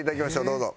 どうぞ。